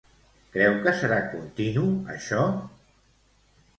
Creu que serà continu això?